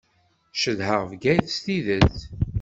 Cedhaɣ Bgayet s tidet.